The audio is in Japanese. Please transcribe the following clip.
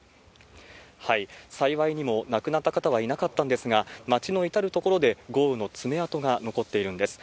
幸いにも亡くなった方はいなかったんですが、町の至る所で豪雨の爪痕が残っているんです。